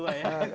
lebih tua ya